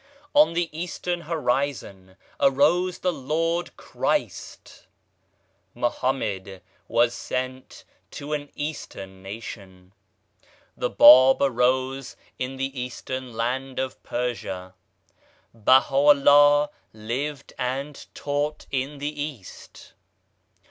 On the Eastern horizon arose the Lord Christ. Mahommed was sent to an Eastern nation. The Bab arose in the Eastern Land of Persia. Baha Vllah lived and taught in the East.